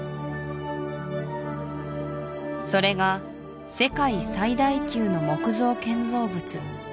それが世界最大級の木造建造物